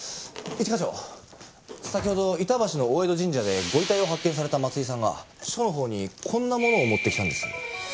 一課長先ほど板橋の大江戸神社でご遺体を発見された松井さんが署のほうにこんなものを持ってきたんです。